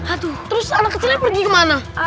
aduh terus anak kecilnya pergi kemana